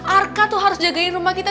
arka tuh harus jagain rumah kita